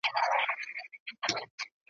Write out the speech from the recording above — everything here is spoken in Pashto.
په خارج کي ډیر خوشحاله